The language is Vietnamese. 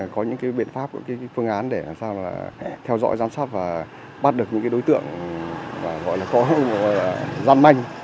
có những biện pháp và phương án để theo dõi giám sát và bắt được những đối tượng gọi là có gian manh